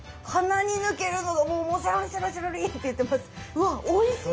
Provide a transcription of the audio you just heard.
うわおいしい！